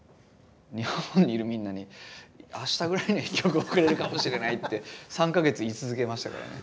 日本にいるみんなに「あしたぐらいには１曲送れるかもしれない」って３か月言い続けましたからね。